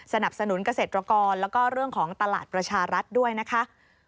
สนับสนุนเกษตรกรแล้วก็เรื่องของตลาดประชารัฐด้วยนะคะ